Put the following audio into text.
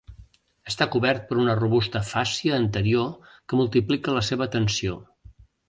Està cobert per una robusta fàscia anterior que multiplica la seva tensió.